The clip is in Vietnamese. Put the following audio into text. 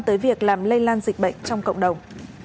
tới việc làm lây lan dịch bệnh trong cộng đồng